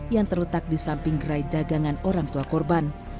yang terletak di samping gerai dagangan orang tua korban